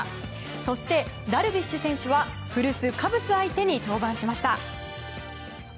そして、ダルビッシュ選手は古巣カブス相手に登板しました。